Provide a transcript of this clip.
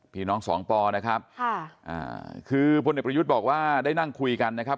พี่น้องสองปอนะครับค่ะอ่าคือพลเอกประยุทธ์บอกว่าได้นั่งคุยกันนะครับ